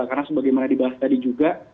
karena sebagaimana dibahas tadi juga